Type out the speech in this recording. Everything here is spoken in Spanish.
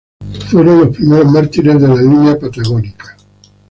Fueron los primeros mártires de la línea patagónica.